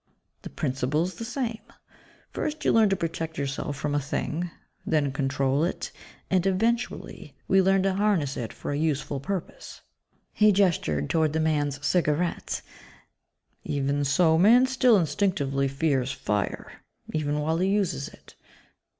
The principle's the same; First you learn to protect yourself from a thing; then control it; and, eventually, we learn to 'harness' it for a useful purpose." He gestured toward the man's cigarette, "Even so, man still instinctively fears fire even while he uses it.